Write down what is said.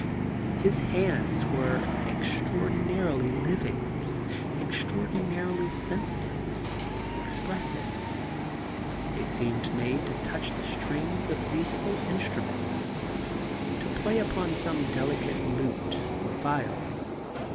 His hands were extra ordinarily living, extraordinarily sensitive, expressive. They seemed made to touch the strings of musical instruments, to play upon some delicate lute or viol.